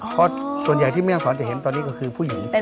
เพราะส่วนใหญ่ที่เห็นตอนนี้ก็คือผู้หญิง